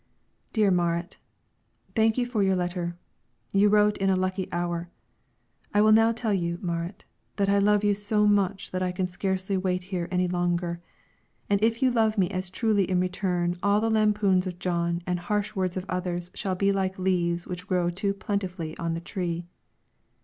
DEAR MARIT, Thank you for your letter; you wrote it in a lucky hour. I will tell you now, Marit, that I love you so much that I can scarcely wait here any longer; and if you love me as truly in return all the lampoons of Jon and harsh words of others shall be like leaves which grow too plentifully on the tree.